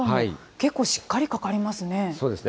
結構しっかりかかりますね。